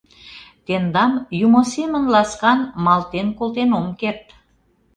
Тендам Юмо семын ласкан малтен колтен ом керт!